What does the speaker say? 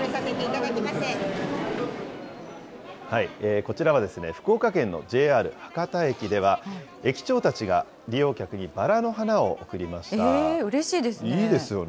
こちらは福岡県のＪＲ博多駅では、駅長たちが利用客にバラのうれしいですね。